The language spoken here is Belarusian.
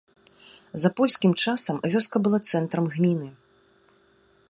За польскім часам вёска была цэнтрам гміны.